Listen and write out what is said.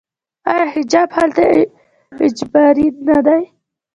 آیا حجاب هلته اجباري نه دی؟